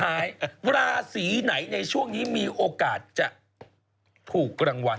คำถามสุดท้ายล่าสีไหนในช่วงนี้มีโอกาสจะถูกขึ้นรางวัล